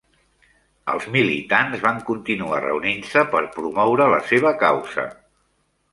Els militants van continuar reunint-se per promoure la seva causa.